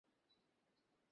হঠাৎ উপস্থিত হয়ে চমকে দেয়।